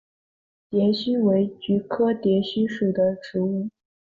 蝶须为菊科蝶须属的植物。